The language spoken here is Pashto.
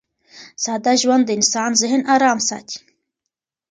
ساده ژوند د انسان ذهن ارام ساتي.